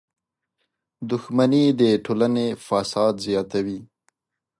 • دښمني د ټولنې فساد زیاتوي.